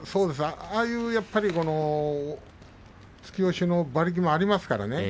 ああいう突き押しの馬力がありますからね。